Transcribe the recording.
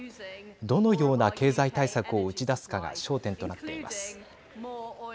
どのような経済対策を打ち出すかが焦点となっています。